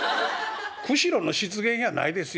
釧路の湿原やないですよ。